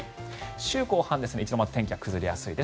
週後半、一度また天気が崩れやすいです。